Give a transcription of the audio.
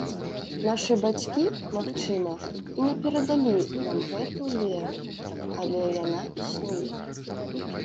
Нашы бацькі, магчыма, і не перадалі нам гэту веру, але яна існуе.